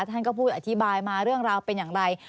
ท่านก็พูดอธิบายมาเรื่องราวเป็นอย่างไร